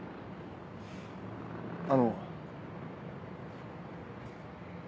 あの。